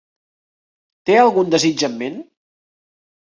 Té algun desig en ment?